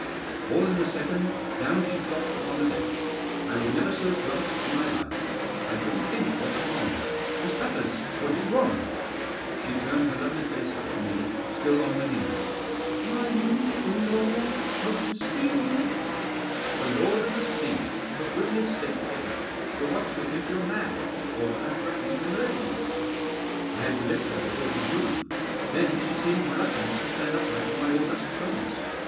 All in a second down she flopped upon the deck. I was never so flummoxed in my life. I couldn't think what was wrong. " Miss Batters ! What is wrong ?" She turned her lovely face up to me — still on her knees. " Are you the lord of the sea ?"" The lord of the sea ! For goodness sake get up. |8 Digitized by THE JOBS. The watch '11 think you're mad. Or that I'm threaten ing to murder you/' I had to Hft her before she'd move. Then she seemed reluctant to stand upright in my august presence.